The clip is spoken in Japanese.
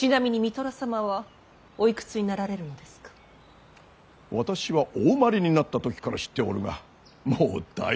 私はお生まれになった時から知っておるがもうだいぶ成長なされた。